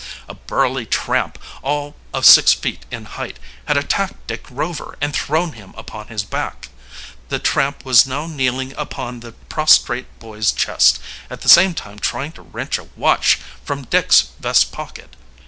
A burly tramp, all of six feet in height, had attacked Dick Rover and thrown him upon his back. The tramp was now kneeling upon the prostrate boy's chest, at the same time trying to wrench a watch from Dick's vest pocket.